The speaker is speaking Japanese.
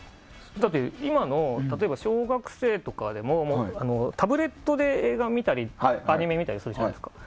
だって、今の例えば小学生とかでもタブレットで映画見たりアニメ見たりするじゃないですか。